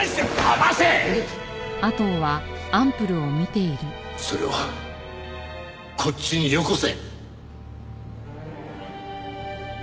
まずはそれをこっちによこせ！